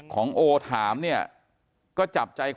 กลุ่มตัวเชียงใหม่